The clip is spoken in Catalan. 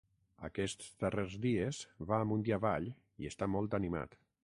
Aquests darrers dies va amunt i avall i està molt animat.